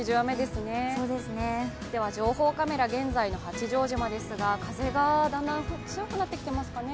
情報カメラ、現在の八丈島ですが、風がだんだん強くなってきていますかね？